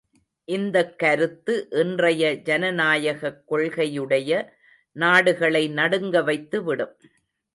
இந்தக் கருத்து, இன்றைய ஜனநாயகக் கொள்கையுடைய நாடுகளை நடுங்க வைத்து விடும்.